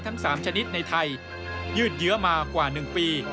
ทั้ง๓ชนิดในไทยยืดเยอะมากว่า๑ปี